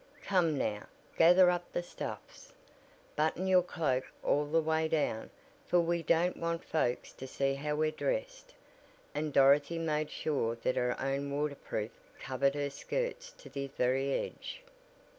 "Come now, gather up the stuffs. Button your cloak all the way down, for we don't want folks to see how we're dressed," and Dorothy made sure that her own water proof covered her skirts to the very edge.